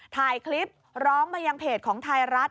ถ่ายคลิปร้องมายังเพจของไทยรัฐ